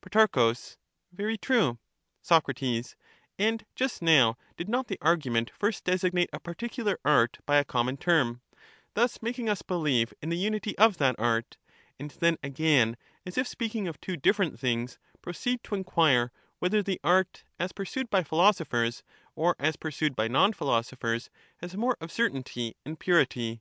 Pro, Very true. Soc, And just now did not the argument first designate a particular art by a common term, thus making us believe in the unity of that art ; and then again, as if speaking of two different things, proceed to enquire whether the art as Digitized by VjOOQIC Dialectic the ^ top' of knowledge. 633 pursued by philosophers, or as pursued by non philosophers, PhiUims, has more of certainty and purity